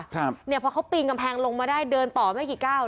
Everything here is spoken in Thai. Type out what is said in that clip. ครับเนี่ยพอเขาปีนกำแพงลงมาได้เดินต่อไม่กี่ก้าว